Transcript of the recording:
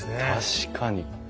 確かに。